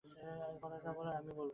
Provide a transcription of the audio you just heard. কথা যা বলার আমি বলব।